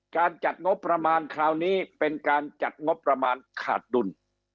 จัดงบประมาณคราวนี้เป็นการจัดงบประมาณขาดดุล